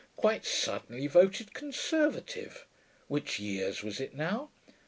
Quite suddenly voted conservative which year was it, now?